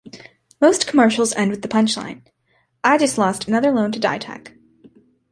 Most commercials end with the punch line, I just lost another loan to Ditech!